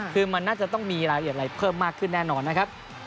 คือมันน่าจะต้องมีรายละเอียดอะไรเพิ่มมากขึ้นแน่นอนนะครับ